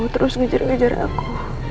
terus ngejar ngejar aku